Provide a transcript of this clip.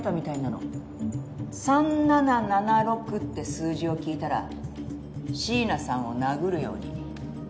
３７７６って数字を聞いたら椎名さんを殴るように。